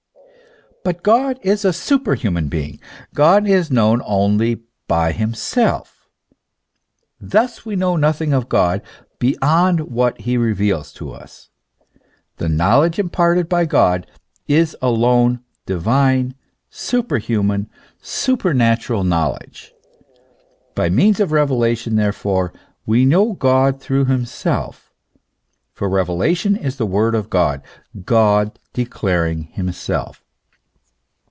But God is a superhuman being ; God is known only by himself. Thus we know nothing of God beyond what he reveals to us. The knowledge imparted by God is alone divine, superhuman, supernatural knowledge. By means of revelation, therefore, we know God through himself; for revelation is the word of God God declaring himself.